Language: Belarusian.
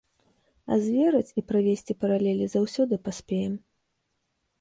А зверыць і правесці паралелі заўсёды паспеем.